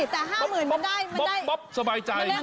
ถ้าห้าหมื่นมันได้ซอบบ๊ับสบายใจ